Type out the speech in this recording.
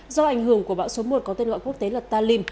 do ảnh hưởng của bão số một có tên gọi quốc tế là talim